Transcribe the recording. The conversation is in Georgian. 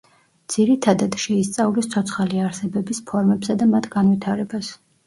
ძირითადად შეისწავლის ცოცხალი არსებების ფორმებსა და მათ განვითარებას.